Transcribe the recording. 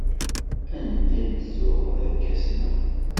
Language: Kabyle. Anda i d-tuɣeḍ irkasen-a?